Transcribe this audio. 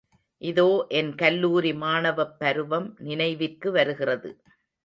இதோ என் கல்லூரி மாணவப் பருவம் நினைவிற்கு வருகிறது.